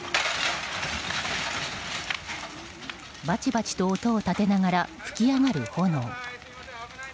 バチバチと音を立てながら噴き上がる炎。